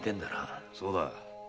そうだ。